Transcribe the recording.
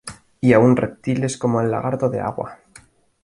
Y aún reptiles como el lagarto de agua.